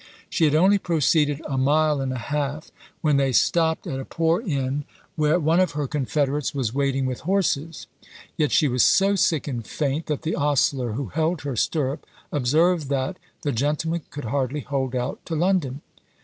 She had only proceeded a mile and a half, when they stopped at a poor inn, where one of her confederates was waiting with horses, yet she was so sick and faint, that the ostler, who held her stirrup, observed, that "the gentleman could hardly hold out to London."